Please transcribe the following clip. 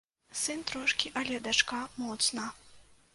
Сын трошкі, але дачка моцна.